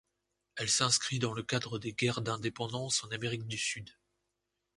Elle s'inscrit dans le cadre des Guerres d'indépendance en Amérique du Sud.